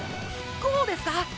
こうですか？